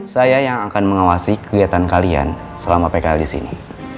saya yang akan mengawasi kegiatan kalian selama pkl di sini